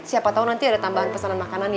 siapa tau nanti ada tambahan pesanan makanan ya